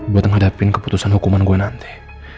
buat menghadapi keputusan hukuman gue nanti